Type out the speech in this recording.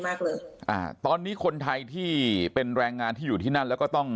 มากเลยอ่าตอนนี้คนไทยที่เป็นแรงงานที่อยู่ที่นั่นแล้วก็ต้อง